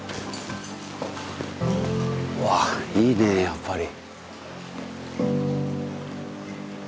うわっいいねやっぱり。